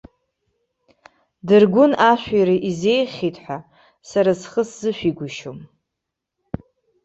Дыргәын ашәира изеиӷьхеит ҳәа, сара схы сзышәигәышьом.